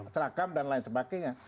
seragam dan lain sebagainya